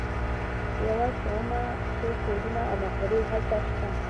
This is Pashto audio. یوه صومعه، څو کورونه او مقبرې هلته شته.